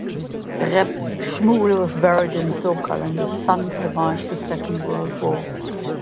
Reb Shmuel was buried in Sokal, and his son survived the Second World War.